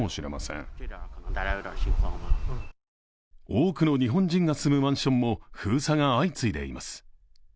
多くの日本人が住むマンションも封鎖が相次いでいます。